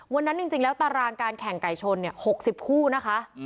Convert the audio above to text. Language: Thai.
วันนั้นจริงแล้วตารางการแข่งไก่ชน๖๐คู่นะคะ